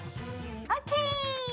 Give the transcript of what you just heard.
ＯＫ！